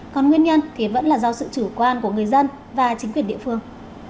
còn nguyên nhân thì vẫn là do sự chủ quan của người dân và chính quyền địa phương